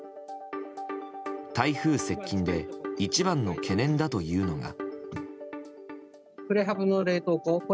台風接近で一番の懸念だというのが。